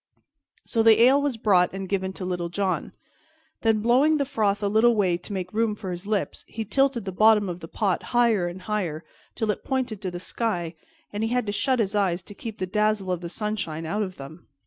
So the ale was brought and given to Little John. Then, blowing the froth a little way to make room for his lips, he tilted the bottom of the pot higher and higher, till it pointed to the sky, and he had to shut his eyes to keep the dazzle of the sunshine out of them.